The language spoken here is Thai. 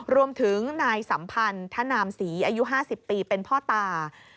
รวมถึงนายสัมพันธนามศรีอายุ๕๐ปีเป็นพ่อตา